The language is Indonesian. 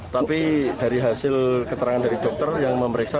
tapi dari hasil keterangan dari dokter yang memeriksa